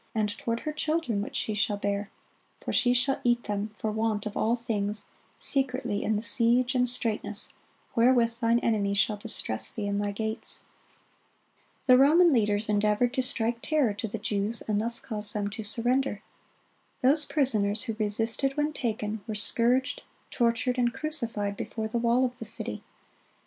and toward her children which she shall bear: for she shall eat them for want of all things secretly in the siege and straitness, wherewith thine enemy shall distress thee in thy gates."(44) The Roman leaders endeavored to strike terror to the Jews, and thus cause them to surrender. Those prisoners who resisted when taken, were scourged, tortured, and crucified before the wall of the city.